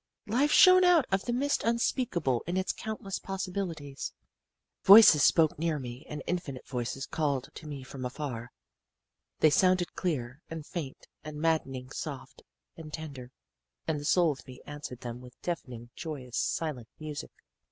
"Life shone out of the mist unspeakable in its countless possibilities. Voices spoke near me and infinite voices called to me from afar they sounded clear and faint and maddening soft and tender, and the soul of me answered them with deafening, joyous silent music.